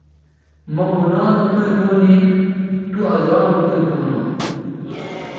مہ مونا نو پیئں پونے تُو ازانو پیئں پونو